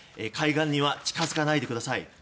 海岸には近づかないでください。